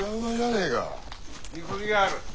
見込みがある。